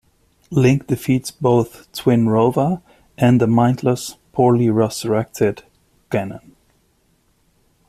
Link defeats both Twinrova and a mindless, poorly resurrected Ganon.